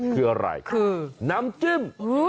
คืออะไรคือน้ำจิ้ม